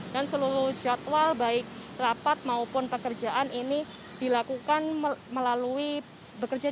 dan seluruh jadwal baik rapat maupun pekerjaan ini dilakukan melalui bekerjaan